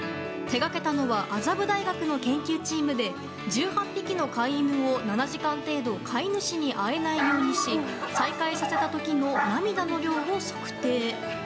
手がけたのは麻布大学の研究チームで１８匹の飼い犬を７時間程度飼い主に会えないようにし再会させた時の涙の量を測定。